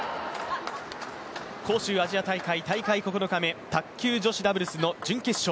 杭州アジア大会、大会９日目、卓球女子ダブルスの準決勝。